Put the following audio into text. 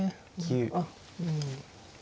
あっうん。